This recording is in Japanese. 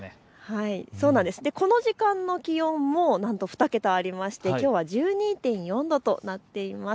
この時間の気温もなんと２桁あってきょうは１２．４度となっています。